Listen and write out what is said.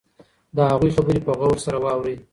د هغوی خبرې په غور سره واورئ.